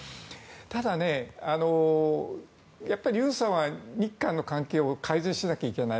ただ、やっぱり尹さんは日韓の関係を改善しなきゃいけない。